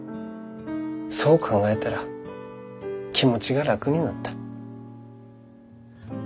そう考えたら気持ちが楽になった。